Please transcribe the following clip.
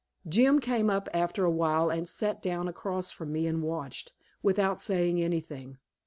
Jim came up after a while and sat down across from me and watched, without saying anything.